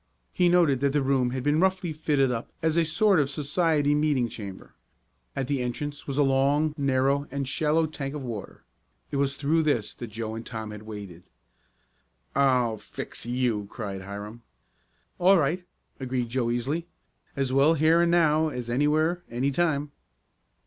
He noted that the room had been roughly fitted up as a sort of society meeting chamber. At the entrance was a long, narrow and shallow tank of water. It was through this that Joe and Tom had waded. "I'll fix you!" cried Hiram. "All right," agreed Joe easily. "As well here and now as anywhere, anytime."